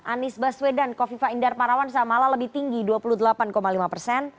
anies baswedan kofifa indar parawansa malah lebih tinggi dua puluh delapan lima persen